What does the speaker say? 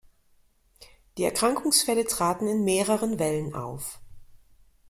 Die Erkrankungsfälle traten in mehreren Wellen auf.